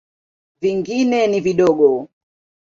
Vingine ni vidogo.